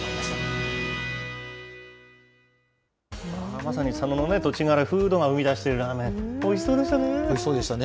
まさに佐野の土地柄、風土が生み出しているラーメン、おいしおいしそうでしたね。